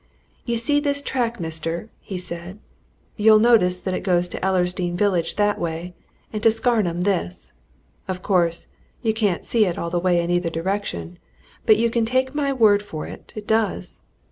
"You see this track, mister?" he said. "You'll notice that it goes to Ellersdeane village that way, and to Scarnham this. Of course, you can't see it all the way in either direction, but you can take my word for it it does.